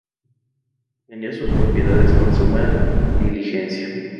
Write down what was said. Atendía sus propiedades con suma diligencia.